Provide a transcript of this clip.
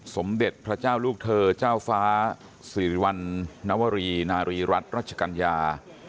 สมเด็จพระเจ้าลูกเธอเจ้าฟ้าสิริวัณนวรีนารีรัฐรัชกัญญา